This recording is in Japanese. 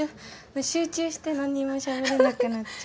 集中して何にもしゃべれなくなっちゃう。